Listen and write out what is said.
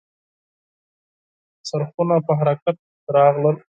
څرخونه په حرکت راغلل .